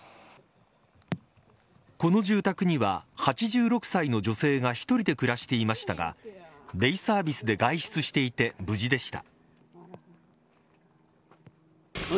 この住宅には８６歳の女性が１人で暮らしていましたがデイサービスで外出していて無事でした。